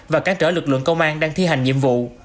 và cản trở lực lượng công an đang thi hành nhiệm vụ